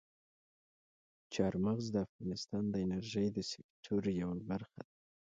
چار مغز د افغانستان د انرژۍ د سکتور یوه برخه ده.